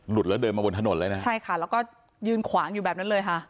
แล้วเดินมาบนถนนเลยนะใช่ค่ะแล้วก็ยืนขวางอยู่แบบนั้นเลยค่ะ